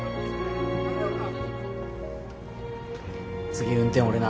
次運転俺な。